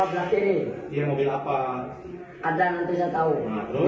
berarti kamu tabrak mobil itu